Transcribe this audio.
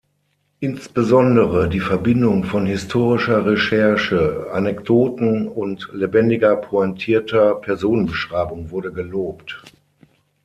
Insbesondere die Verbindung von historischer Recherche, Anekdoten und lebendiger, pointierter Personenbeschreibung wurde gelobt.